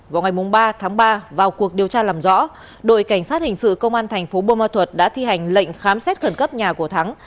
vào ngày ba tháng ba vào cuộc điều tra làm rõ đội cảnh sát hình sự công an thành phố bô ma thuật đã thi hành lệnh khám xét khẩn cấp nhà của thắng